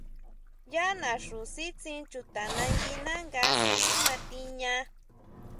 Yá naxu sítsin chuta nanguina nga sʼí ma tiña.